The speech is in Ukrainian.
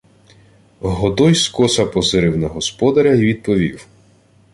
Годой скоса позирив на господаря й відповів: